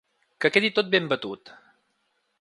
Que quedi tot ben batut.